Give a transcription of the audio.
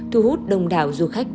thu hút đông đảo du khách